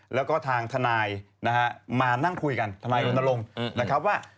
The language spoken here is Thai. แล้วก็ทางทนายนะฮะมานั่งคุยกันทนายรณรงค์นะครับว่า